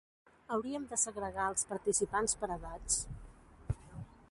Hauríem de segregar els participants per edats.